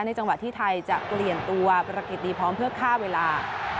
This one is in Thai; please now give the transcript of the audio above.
จังหวะที่ไทยจะเปลี่ยนตัวประกิจดีพร้อมเพื่อฆ่าเวลา